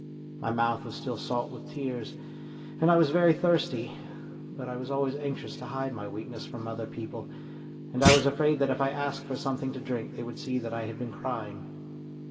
My mouth was still salt with tears, and I was very thirsty, but I was always anxious to hide my weakness from other people, and I was afraid that if I asked for something to drink they would see that I had been crying.